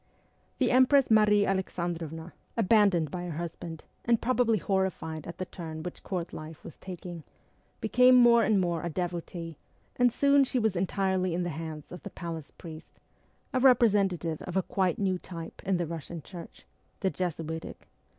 The Empress Marie Alexandrovna, abandoned by 28 MEMOIRS OF A REVOLUTIONIST her husband, and probably horrified at the turn which Court life was taking, became more and more a devotee, and soon she was entirely in the hands of the palace priest, a representative of a quite new type in the Eussian Church the Jesuitic.